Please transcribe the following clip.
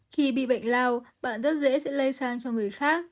khi bị bệnh lao bạn rất dễ sẽ lây sang cho người khác